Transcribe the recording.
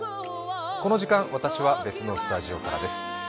この時間、私は別のスタジオからです。